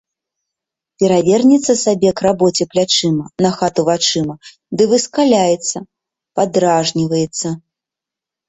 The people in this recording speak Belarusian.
Перавернецца сабе к рабоце плячыма, на хату вачыма ды выскаляецца, падражніваецца.